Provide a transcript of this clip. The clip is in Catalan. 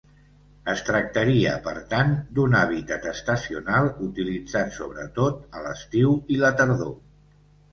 Es tractaria, per tant, d'un hàbitat estacional, utilitzat sobretot a l'estiu i la tardor.